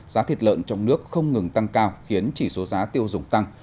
giá thịt lợn trong nước không ngừng tăng cao khiến chỉ số giá tiêu dùng tăng